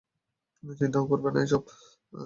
চিন্তাও করবে না এসব!